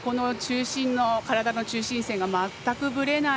体の中心線が全くぶれない